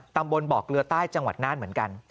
ตำบลบ่อเกลือใต้จังหวัดน่านเหมือนกัน